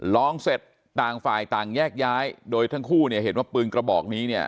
ร้องเสร็จต่างฝ่ายต่างแยกย้ายโดยทั้งคู่เนี่ยเห็นว่าปืนกระบอกนี้เนี่ย